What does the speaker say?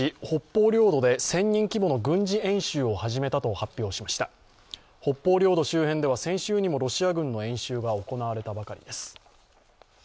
北方領土周辺では先週にもロシア軍の演習が行われたばかりです。